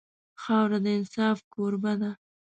خاوره د انصاف کوربه ده.